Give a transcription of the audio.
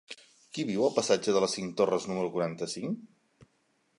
Qui viu al passatge de les Cinc Torres número quaranta-cinc?